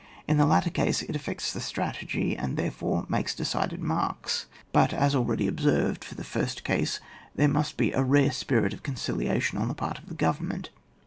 In the latter case, it affects the strategy, and therefore, makes decided marks. But, as already observed, for the first case there must be a rare spirit of con ciliation on the part of the G ovemments.